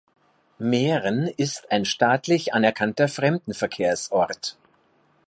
Mehren ist ein staatlich anerkannter Fremdenverkehrsort.